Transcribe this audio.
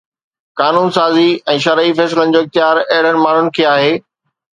قانون سازي ۽ شرعي فيصلن جو اختيار اهڙن ماڻهن کي آهي